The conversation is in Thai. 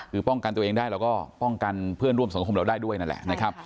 คือป้องกันตัวเองได้เราก็ป้องกันเพื่อนร่วมสังคมเราได้ด้วยนั่นแหละนะครับ